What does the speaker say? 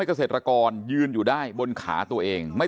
คุณวราวุฒิศิลปะอาชาหัวหน้าภักดิ์ชาติไทยพัฒนา